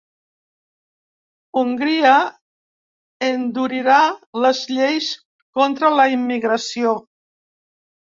Hongria endurirà les lleis contra la immigració.